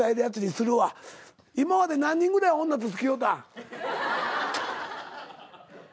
今まで何人ぐらい女と付き合うたん？